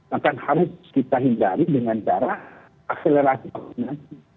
akan harus kita hindari dengan cara akselerasi vaksinasi